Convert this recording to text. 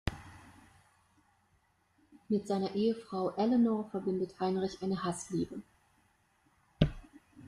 Mit seiner Ehefrau Eleanor verbindet Heinrich eine Hassliebe.